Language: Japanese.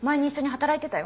働いてた？